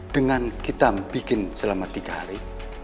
dengan kita bikin selama tiga hari